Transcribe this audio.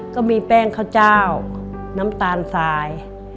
ก็มีแป้งข้าวเจ้าน้ำตาลสาย